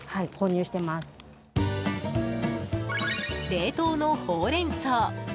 冷凍のほうれん草。